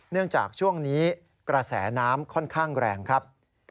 จากช่วงนี้กระแสน้ำค่อนข้างแรงครับ